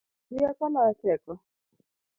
Rieko loyo teko